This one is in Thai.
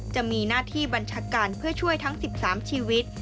จะมีหน้าที่บัญชาการเพื่อช่วยทั้ง๑๓ชีวิต